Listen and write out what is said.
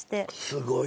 すごい。